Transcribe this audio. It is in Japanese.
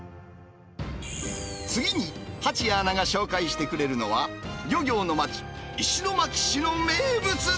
次に蜂谷アナが紹介してくれるのは、漁業の町、石巻市の名物だ。